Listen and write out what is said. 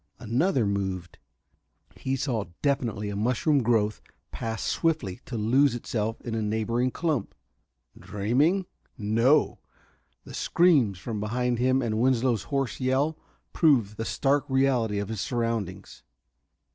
Another moved. He saw definitely a mushroom growth pass swiftly to lose itself in a neighboring clump. Dreaming? No! The screams from behind him and Winslow's hoarse yell proved the stark reality of his surroundings.